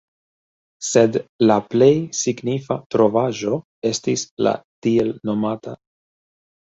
Sed la plej signifa trovaĵo estis la tn.